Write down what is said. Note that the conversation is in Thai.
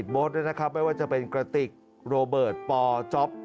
ไม่ว่าจะเป็นกระติกโรเบิร์ตปอล์จ๊อป